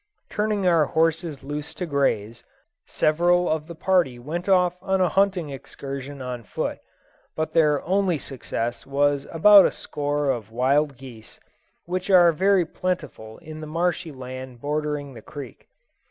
Turning our horses loose to graze, several of the party went off on a hunting excursion on foot, but their only success was about a score of wild geese, which are very plentiful in the marshy land bordering the creek.